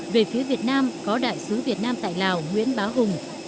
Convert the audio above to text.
về phía việt nam có đại sứ việt nam tại lào nguyễn bá hùng